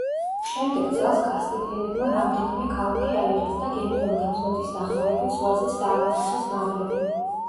შემდეგ წელს კასტილიელებმა რამდენიმე ქალაქი აიღეს და გენუელთა ფლოტის დახმარებით ზღვაზეც დაამარცხეს მავრები.